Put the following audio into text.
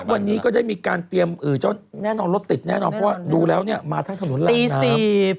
วันนี้ก็จะมีการเตรียมอื่นแน่นอนรถติดแน่นอนเพราะว่าดูแล้วเนี่ยมาทางถนนราชนะครับ